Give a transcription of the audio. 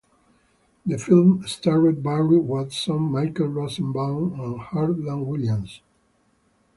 The film starred Barry Watson, Michael Rosenbaum and Harland Williams.